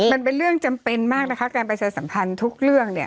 มันเป็นเรื่องจำเป็นมากนะคะการประชาสัมพันธ์ทุกเรื่องเนี่ย